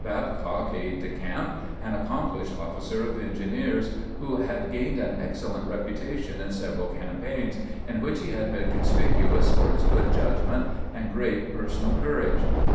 Babcock, aide de camp, an accomplished officer of engineers, who had gained an excellent reputation in several campaigns, in which he had been conspicuous for his good judgment and great personal courage.